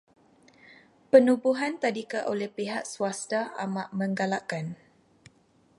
Penubuhan tadika oleh pihak swasta amat menggalakkan.